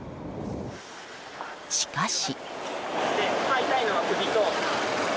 しかし。